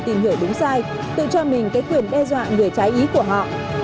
tìm hiểu đúng sai tự cho mình cái quyền đe dọa người trái ý của họ